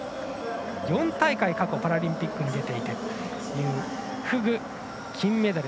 ４大会、過去パラリンピックに出ていてというフグ、金メダル。